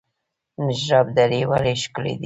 نجراب درې ولې ښکلې دي؟